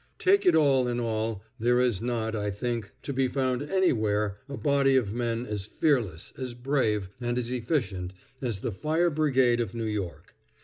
Take it all in all, there is not, I think, to be found anywhere a body of men as fearless, as brave, and as efficient as the Fire Brigade of New York.